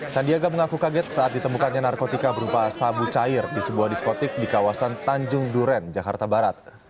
sandiaga mengaku kaget saat ditemukannya narkotika berupa sabu cair di sebuah diskotik di kawasan tanjung duren jakarta barat